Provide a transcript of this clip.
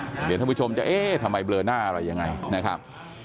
เดี๋ยวท่านผู้ชมจะเอ๊ะทำไมเบลอหน้าอะไรยังไงนะครับ